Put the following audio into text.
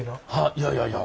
いやいやいや。